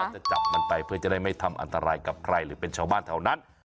จะจับมันไปเพื่อจะได้ไม่ทำอันตรายกับใครหรือเป็นชาวบ้านแถวนั้น